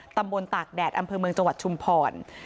ตากแดดอำเภอเมืองจังหวัดชุมพร